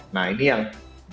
nah ini yang